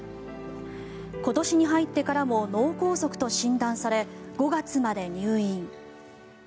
今年に入ってからも脳梗塞と診断され５月まで入院。